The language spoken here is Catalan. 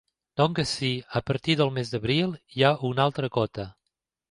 Doncs sí, a partir del mes d'abril hi ha una altra quota.